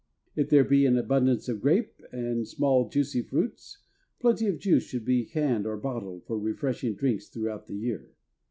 If there be an abundance of grapes and small, juicy fruits, plenty of juice should be canned or bottled for refreshing drinks throughout the year.